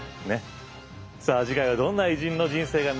さあ次回はどんな偉人の人生が見られるのでしょうか。